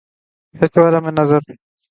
اس کے بعد ہمیں نظر